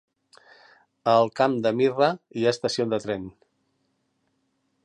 A el Camp de Mirra hi ha estació de tren?